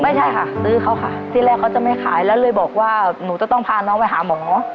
ไม่ใช่ค่ะซื้อเขาค่ะที่แรกเขาจะไม่ขายแล้วเลยบอกว่าหนูจะต้องพาน้องไปหาหมอ